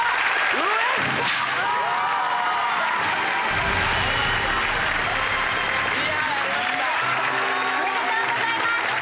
おめでとうございます！